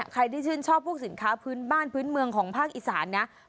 ใครที่ชื่นชอบพวกสินค้าพื้นบ้านพื้นเมืองของภาคอีสานนะ